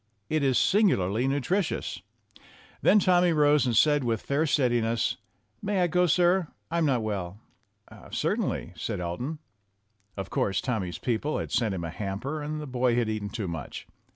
It is singularly nutritious. Then Tommy rose and said with fair steadiness : "May I go, sir? I'm not well." "Certainly," said Elton. Of course, Tommy's peo ple had sent him a hamper, and the boy had eaten too much.